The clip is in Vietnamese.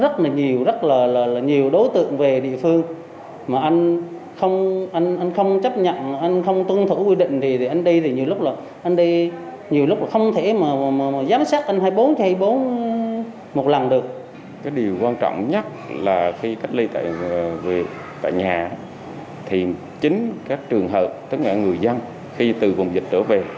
trường hợp tức là người dân khi từ vùng dịch trở về